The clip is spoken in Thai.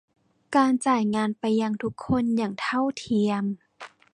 การจ่ายงานไปยังทุกคนอย่างเท่าเทียม